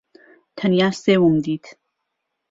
تەنیا سێوم دیت.